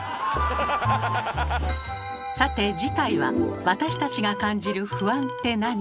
さて次回は「私たちが感じる不安ってなに？」